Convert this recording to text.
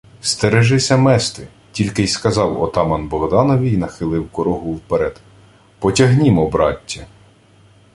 — Стережися мести, — тільки й сказав отаман Богданові й нахилив корогву вперед: — Потягнімо, браттє!